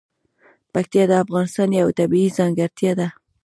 پکتیا د افغانستان یوه طبیعي ځانګړتیا ده.